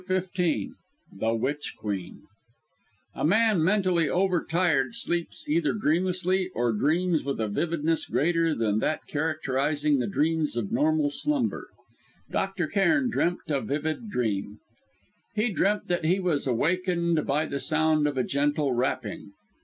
CHAPTER XV THE WITCH QUEEN A man mentally over tired sleeps either dreamlessly, or dreams with a vividness greater than that characterising the dreams of normal slumber. Dr. Cairn dreamt a vivid dream. He dreamt that he was awakened by the sound of a gentle rapping.